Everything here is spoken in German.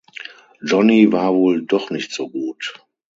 Johnny war wohl doch nicht so gut.